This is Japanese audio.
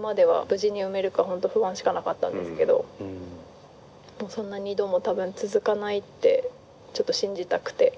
無事に産めるか本当不安しかなかったんですけどそんな２度も多分続かないってちょっと信じたくて。